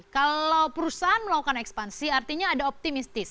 kalau perusahaan melakukan ekspansi artinya ada optimistis